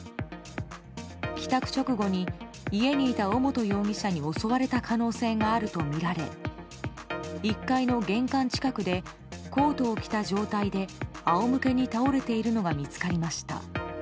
帰宅直後に家にいた尾本容疑者に襲われた可能性があるとみられ１階の玄関近くでコートを着た状態で仰向けに倒れているのが見つかりました。